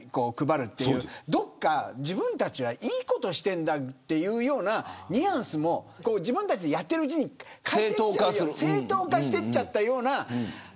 どこか自分たちはいいことしているんだというようなニュアンスも自分たちでやっているうちに正当化していっちゃったような。